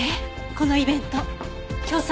このイベント協賛